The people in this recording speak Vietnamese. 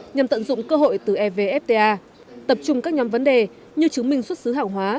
nhằm tận dụng cơ hội từ evfta tập trung các nhóm vấn đề như chứng minh xuất xứ hàng hóa